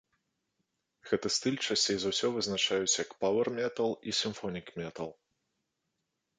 Гэты стыль часцей за ўсё вызначаюць як паўэр-метал і сімфонік-метал.